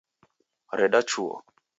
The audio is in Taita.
Reda chuo